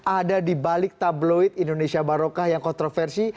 ada dibalik tabloid indonesia baroka yang kontroversi